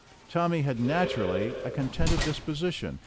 Tommy had naturally a contented disposition.